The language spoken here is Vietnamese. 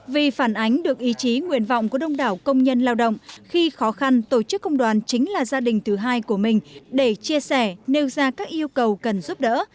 vì phản ánh được ý chí nguyện vọng của đông đảo công nhân lao động khi khó khăn tổ chức công đoàn chính là gia đình thứ hai của mình để chia sẻ nêu ra các yêu cầu cần giúp đỡ